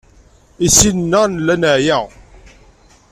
I sin-nneɣ nella neɛya.